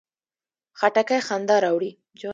خټکی خندا راوړي.